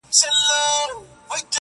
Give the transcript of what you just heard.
تاريخ د درد شاهد پاتې کيږي